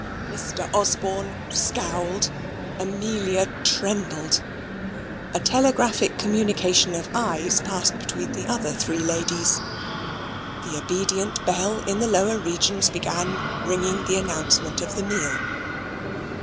Mr. Osborne scowled. Amelia trembled. A telegraphic communication of eyes passed between the other three ladies. The obedient bell in the lower regions began ringing the announcement of the meal.